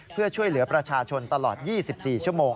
เพื่อช่วยเหลือประชาชนตลอด๒๔ชั่วโมง